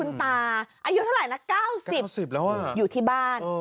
คุณตาอายุเท่าไรนะ๙๐อยู่ที่บ้าน